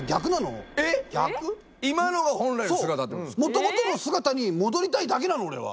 もともとの姿に戻りたいだけなの俺は。